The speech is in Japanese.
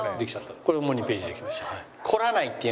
これでもう２ページできました。